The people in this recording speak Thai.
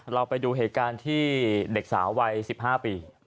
เราไปดูเหตุการณ์ที่เด็กสาววัย๑๕ปี